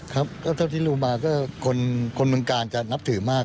ครับก็เท่าที่รู้มาก็คนเมืองกาลจะนับถือมาก